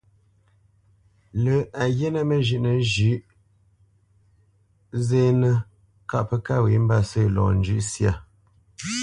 Lâ a ghíínə̂ məzhʉ́ʼnə zhʉ̌ʼ zénə́ kâʼ pə́ kâ wě mbâsə̂ lɔ njʉ̂ʼ syâ.